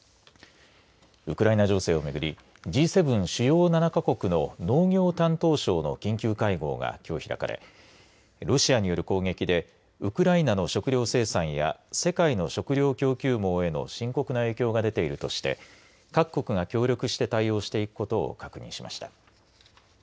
ウクライナ情勢をめぐりＧ７、主要７か国の農業担当相の緊急会合がきょう開かれロシアによる攻撃でウクライナの食糧生産や世界の食料供給網への深刻な影響が出ているとして各国が協力して対応していくことを確認しました。